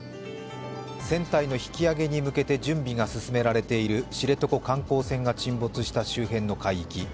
船体の引き揚げに向けて準備が進められている知床観光船が沈没した周辺の海域。